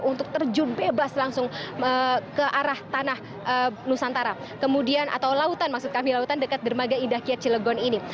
untuk terjun bebas langsung ke arah tanah nusantara kemudian atau lautan maksud kami lautan dekat dermaga indah kiat cilegon ini